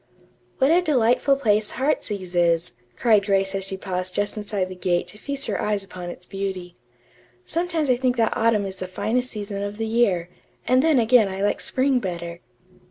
"What a delightful place 'Heartsease' is," cried Grace as she paused just inside the gate to feast her eyes upon its beauty. "Sometimes I think that autumn is the finest season of the year, and then again I like spring better."